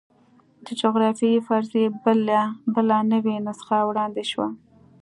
د جغرافیوي فرضیې بله نوې نسخه وړاندې شوه.